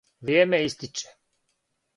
Вријеме истиче.